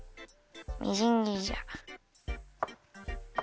みじんぎりじゃ。